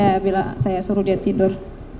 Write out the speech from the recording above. akhirnya saya suruh dia tidur